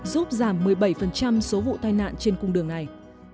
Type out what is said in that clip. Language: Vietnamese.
giúp giảm một mươi bảy số vụ tai nạn trên cung đường này